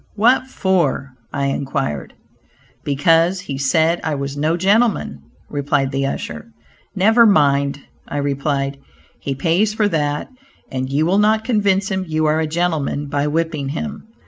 "What for?" I inquired. "Because he said I was no gentleman," replied the usher. "Never mind," I replied, "he pays for that, and you will not convince him you are a gentleman by whipping him.